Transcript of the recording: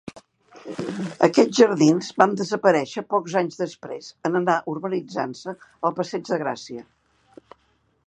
Aquests jardins van desaparèixer pocs anys després en anar urbanitzant-se el passeig de Gràcia.